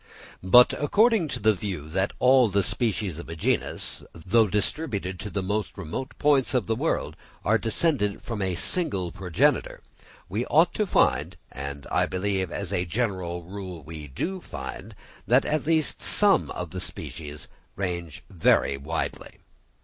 But according to the view that all the species of a genus, though distributed to the most remote points of the world, are descended from a single progenitor, we ought to find, and I believe as a general rule we do find, that some at least of the species range very widely.